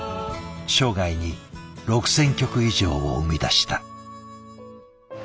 生涯に６，０００曲以上を生み出した。